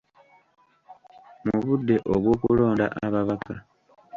Mu budde obw'okulonda ababaka.